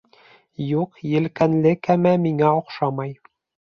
Юҡ, елкәнле кәмә миңә оҡшамай